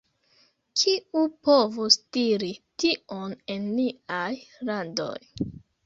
Kiu povus diri tion en niaj landoj?